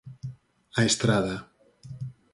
A Estrada.